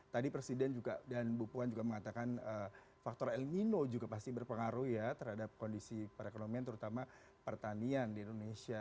tadi presiden dan bupuan juga mengatakan faktor elimino juga pasti berpengaruh ya terhadap kondisi perekonomian terutama pertanian di indonesia